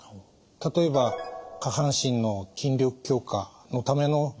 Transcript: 例えば下半身の筋力強化のためのスロースクワットです。